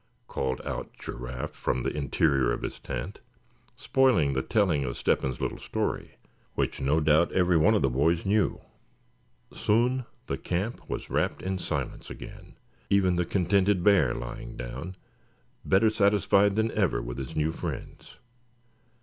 '" called out Giraffe from the interior of the tent, spoiling the telling of Step hen's little story, which no doubt every one of the boys knew. Soon the camp was wrapped in silence again, even the contented bear lying down, better satisfied than ever with his new friends.